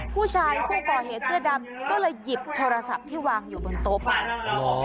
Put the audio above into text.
ผู้ชายผู้ก่อเหตุเสื้อดำก็เลยหยิบโทรศัพท์ที่วางอยู่บนโต๊ะไป